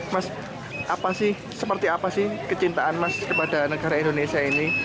mas apa sih seperti apa sih kecintaan mas kepada negara indonesia ini